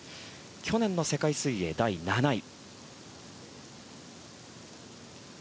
去年の世界水泳第７位。